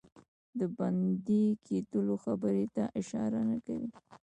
د بندي کېدلو خبري ته اشاره نه کوي.